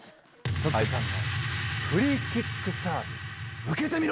凱人さんのフリーキックサーブ、受けてみろ。